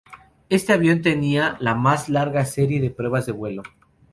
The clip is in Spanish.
Este avión tenía la más larga serie de pruebas de vuelo.